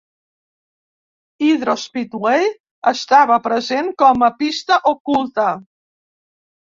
Hydro Speedway estava present com a pista oculta.